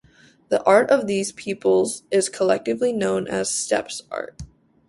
The art of these peoples is collectively known as steppes art.